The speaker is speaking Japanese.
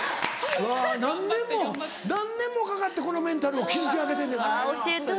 何年も何年もかかってこのメンタルを築き上げてんねんから。